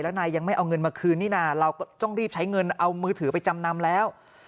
แล้วนายยังไม่เอาเงินมาคืนนี่นะเราต้องรีบใช้เงินเอามือถือไปจำนำแล้ว